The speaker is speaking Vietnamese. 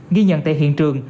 nghi nhận tại hiện trường